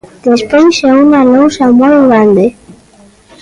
Despois é unha lousa moi grande.